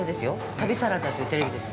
「旅サラダ」というテレビです。